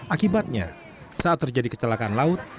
akibatnya saat terjadi kecelakaan laut